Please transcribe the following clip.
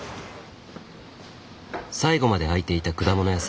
最後まで開いていた果物屋さん。